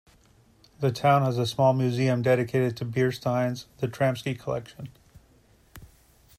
The town has a small museum dedicated to beer steins, the Stramski Collection.